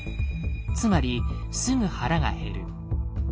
つまりすぐ腹が減る。